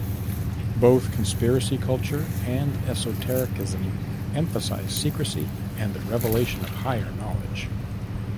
Both conspiracy culture and esotericism emphasize secrecy and the revelation of higher knowledge.